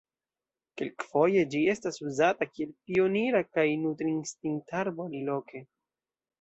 Kelkfoje ĝi estas uzata kiel pionira kaj nutristin-arbo aliloke.